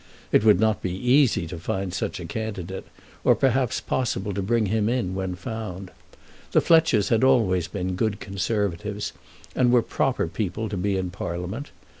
It would not be easy to find such a candidate, or perhaps possible to bring him in when found. The Fletchers had always been good Conservatives, and were proper people to be in Parliament.